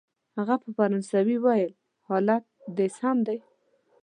هغه په فرانسوي وویل: حالت دی سم دی؟